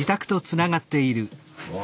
うわ。